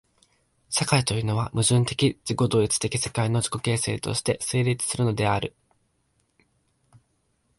社会というのは、矛盾的自己同一的世界の自己形成として成立するのである。